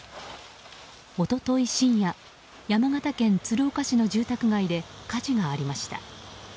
一昨日深夜、山形県鶴岡市の住宅街で火事がありました。